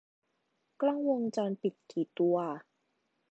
กล้องวงจรปิดกี่ตัว